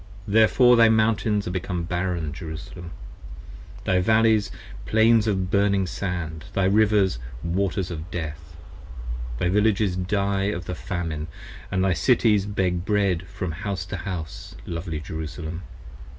25 Therefore thy Mountains are become barren, Jerusalem: Thy Valleys, Plains of burning sand, thy Rivers, waters of death. Thy Villages die of the Famine, and thy Cities Beg bread from house to house, lovely Jerusalem.